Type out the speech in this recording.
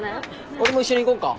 俺も一緒に行こっか？